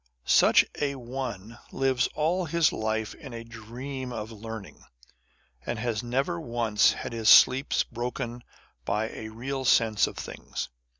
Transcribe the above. Such a one lives all his life in a dream of learning, and has never once had his sleep broken by a real sense of things.